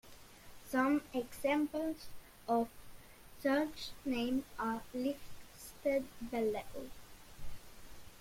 Some examples of such names are listed below.